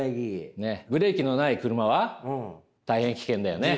ブレーキのない車は大変危険だよね。